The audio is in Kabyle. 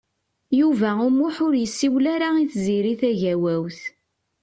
Yuba U Muḥ ur yessiwel ara i Tiziri Tagawawt.